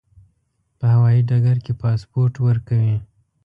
په هوایي ډګر کې پاسپورت ورکوي.